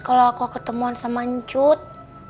kalau aku ketemuan sama cut